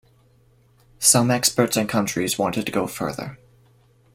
Some experts and countries wanted to go further.